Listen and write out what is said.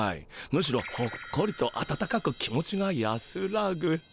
むしろほっこりとあたたかく気持ちが安らぐ。